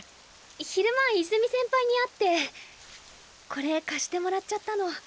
昼間いずみ先輩に会ってこれ貸してもらっちゃったの。